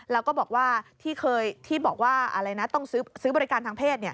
แล้วก็บอกว่าที่บอกว่าต้องซื้อบริการทางเพศ